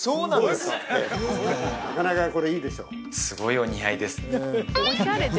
すごいお似合いです